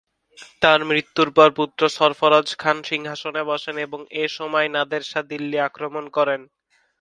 তার মৃত্যুর পর পুত্র সরফরাজ খান সিংহাসনে বসেন এবং এ সময়ই নাদের শাহ দিল্লি আক্রমণ করেন।